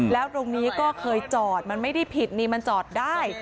แล้วตรงนี้ก็เคยจอดมันไม่ได้ผิดนี่มันจอดได้